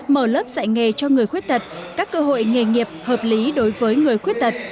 mở lớp dạy nghề cho người khuyết tật các cơ hội nghề nghiệp hợp lý đối với người khuyết tật